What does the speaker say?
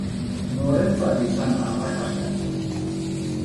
Norentzat izan da arrakastatsua?